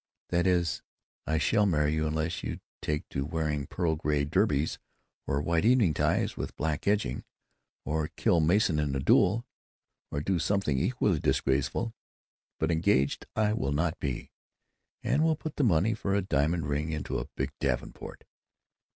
That is, I shall marry you unless you take to wearing pearl gray derbies or white evening ties with black edging, or kill Mason in a duel, or do something equally disgraceful. But engaged I will not be. And we'll put the money for a diamond ring into a big davenport....